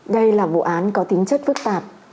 đây là vụ án có tính chất phức tạp